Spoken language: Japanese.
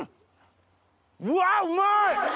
うわっうまい！